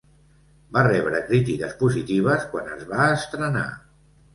Va rebre crítiques positives quan es va estrenar.